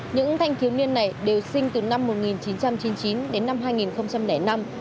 những thanh thiếu niên này đều sinh từ năm một nghìn chín trăm chín mươi chín đến năm hai nghìn năm